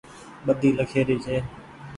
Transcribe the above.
ٻۮي لکيِ ري ڇي